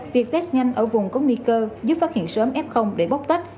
việc test nhanh ở vùng có nguy cơ giúp phát hiện sớm f để bóc tách